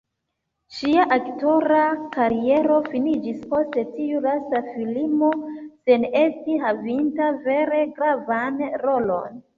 Ŝia aktora kariero finiĝis post tiu lasta filmo sen esti havinta vere gravan rolon.